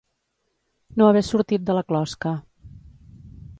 No haver sortit de la closca.